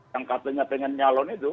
yang katanya pengen nyalon itu